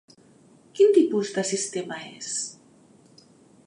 Quin tipus de sistema és?